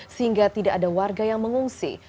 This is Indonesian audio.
sehingga tidak ada warga yang mengungsi